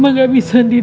mama gak bisa didek roy